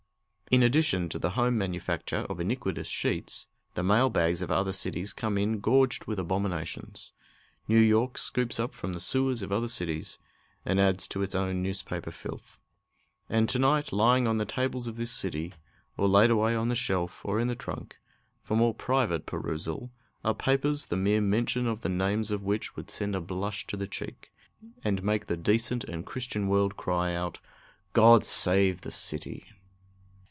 In addition to the home manufacture of iniquitous sheets, the mail bags of other cities come in gorged with abominations. New York scoops up from the sewers of other cities, and adds to its own newspaper filth. And to night, lying on the tables of this city, or laid away on the shelf, or in the trunk, for more private perusal, are papers the mere mention of the names of which would send a blush to the cheek, and make the decent and Christian world cry out: "God save the city!"